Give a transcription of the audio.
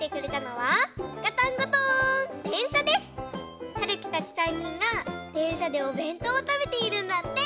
はるきたち３にんがでんしゃでおべんとうをたべているんだって！